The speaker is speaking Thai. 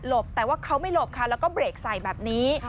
แต่ว่าเขาไม่หลบค่ะแล้วก็เบรกใส่แบบนี้